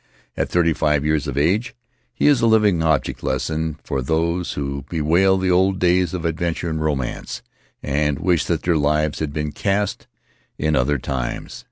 At thirty five years of age he is a living object lesson for those who bewail the old days of adventure and romance, and wish that their lives had been cast in other times.